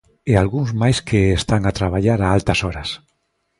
E algúns máis que están a traballar a altas horas.